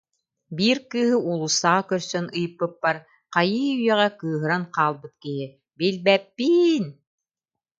Биир кыыһы уулуссаҕа көрсөн ыйыппыппар, хайыы-үйэҕэ кыыһыран хаалбыт киһи: «Билбээпп-иин